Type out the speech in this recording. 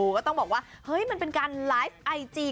ก็ต้องบอกว่าเฮ้ยมันเป็นการไลฟ์ไอจี